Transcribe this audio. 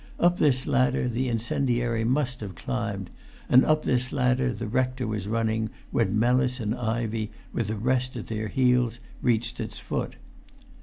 Up this ladder the incendiary must have climbed, and up this ladder the rector was running when Mellis and Ivey, with the rest at their heels, reached its foot.